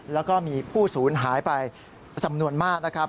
แล้วก็มีผู้ศูนย์หายไปจำนวนมากนะครับ